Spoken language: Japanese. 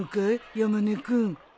山根君。